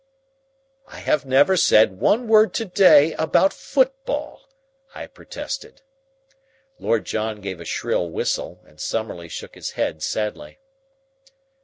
"I have never said one word to day about football," I protested. Lord John gave a shrill whistle, and Summerlee shook his head sadly.